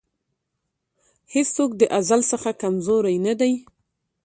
هېڅوک د ازل څخه کمزوری نه دی.